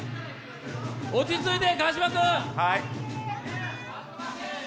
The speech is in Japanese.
落ち着いて川島君。